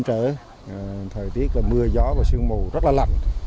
điểm trở thời tiết là mưa gió và sương mù rất là lạnh